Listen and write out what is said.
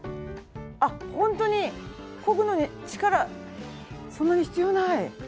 あっホントにこぐのに力そんなに必要ない。